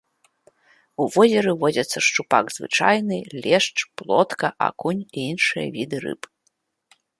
У возеры водзяцца шчупак звычайны, лешч, плотка, акунь і іншыя віды рыб.